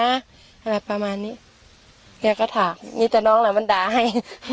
อะไรประมาณนี้แกก็ถามนี่แต่น้องล่ะมันด่าให้